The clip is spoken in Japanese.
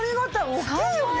大きいよね！